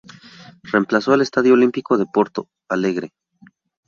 Reemplazó al Estadio Olímpico de Porto Alegre.